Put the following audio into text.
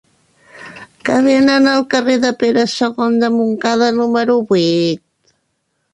Què venen al carrer de Pere II de Montcada número vuit?